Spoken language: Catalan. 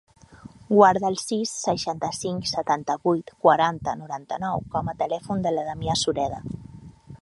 Guarda el sis, seixanta-cinc, setanta-vuit, quaranta, noranta-nou com a telèfon de la Damià Sureda.